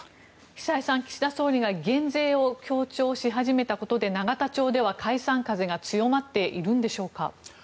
久江さん、岸田総理が減税を強調し始めたことで永田町では解散風が強まっているんでしょうか？